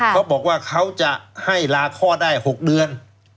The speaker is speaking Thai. เขาบอกว่าเขาจะให้ลาคลอดได้๖เดือน